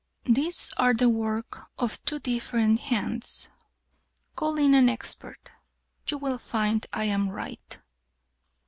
These are the work of two different hands. Call in an expert; you will find I am right."